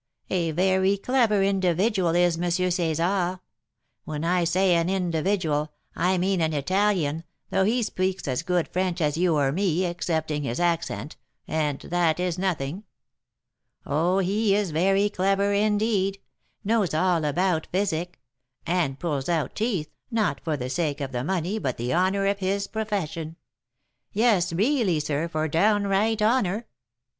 A very clever individual is M. César. When I say an 'individual,' I mean an Italian, though he speaks as good French as you or me, excepting his accent, and that is nothing. Oh, he is very clever, indeed! knows all about physic; and pulls out teeth, not for the sake of the money but the honour of his profession, yes, really, sir, for downright honour.